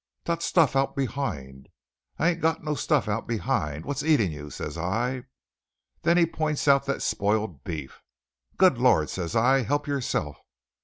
'Dot stoof oudt behind.' 'I ain't got no stuff out behind! What's eating you?' says I. Then he points out that spoiled beef. 'Good Lord!' says I, 'help yourself.